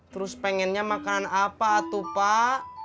terus pengennya makanan apa tuh pak